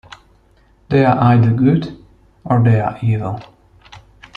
They are either good, or they are evil.